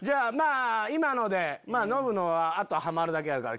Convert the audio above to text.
今のでノブのはあとはまるだけやから。